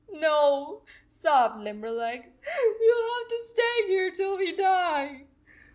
"No," sobbed Limberleg. "We ll have to stay here till we die."